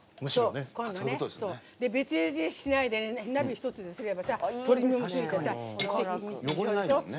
別ゆでしないで鍋１つですれば、とろみがついて一石二鳥でしょ。